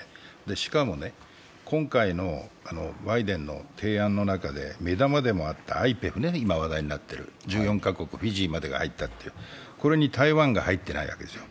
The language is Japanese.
しかもね、今回のバイデンの提案の中で目玉でもあった今、話題になっているＩＰＥＦ、１４カ国、フィジーまで入ったというこれに台湾が入っていないわけですよ。